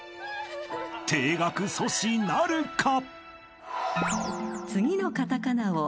［停学阻止なるか！？］